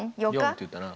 ４って言ったな。